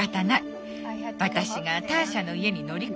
私がターシャの家に乗り込んだの。